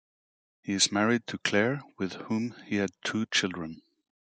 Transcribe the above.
He is married to Claire, with whom he had two children.